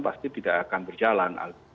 pasti tidak akan berjalan